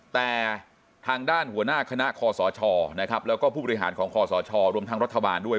แต่ทางด้านหัวหน้าคณะคอสชนะครับแล้วก็ผู้บริหารของคอสชรวมทางรัฐบาลด้วย